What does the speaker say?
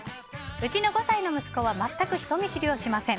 うちの５歳の息子は全く人見知りをしません。